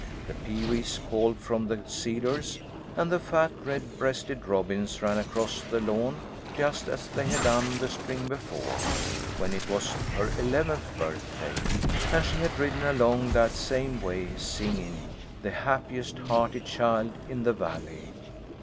The pewees called from the cedars and the fat red breasted robins ran across the lawn just as they had done the spring before, when it was her eleventh birthday, and she had ridden along that same way singing, the happiest hearted child in the Valley.